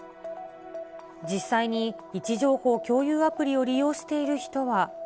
実際に位置情報共有アプリを利用している人は。